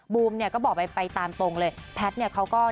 บูมเนี่ยก็บอกไปตามตรงเลย